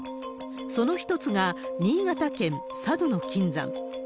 その一つが新潟県佐渡の金山。